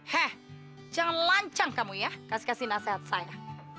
heh jangan lancang kamu ya kasih kasih nasihat saya